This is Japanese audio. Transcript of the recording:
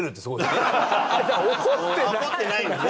怒ってないのね。